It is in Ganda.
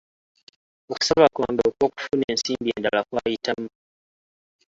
Okusaba kwange okw'okufuna ensimbi endala kwayitamu.